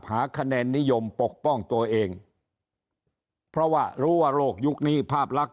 หาคะแนนนิยมปกป้องตัวเองเพราะว่ารู้ว่าโลกยุคนี้ภาพลักษ